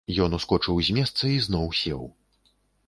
Ён ускочыў з месца і зноў сеў.